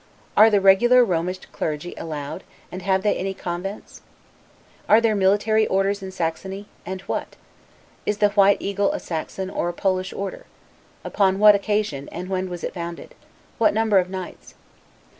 Are the regular Romish clergy allowed; and have they any convents? Are there any military orders in Saxony, and what? Is the White Eagle a Saxon or a Polish order? Upon what occasion, and when was it founded? What number of knights?